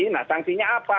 nah sanksinya apa